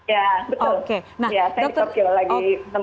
ya betul ya saya di tokyo lagi